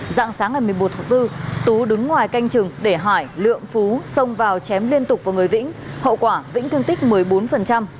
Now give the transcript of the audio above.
dạng sáng ngày một mươi một tháng bốn tú đứng ngoài canh chừng để hải lượng phú xông vào chém liên tục vào người vĩnh hậu quả vĩnh thương tích một mươi bốn